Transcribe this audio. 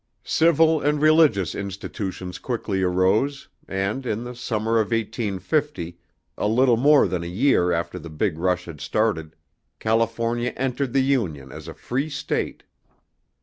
Civil and religious institutions quickly arose, and, in the summer of 1850, a little more than a year after the big rush had started, California entered the Union as a free state.